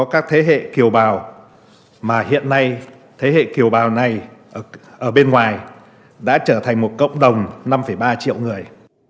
có các thế hệ kiểu bào mà hiện nay thế hệ kiểu bào này ở bên ngoài đã trở thành một cộng đồng năm ba triệu người